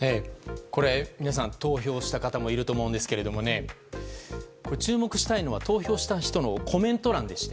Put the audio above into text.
これは、皆さん投票した方もいると思うんですが注目したいのは投票した人のコメント欄でして。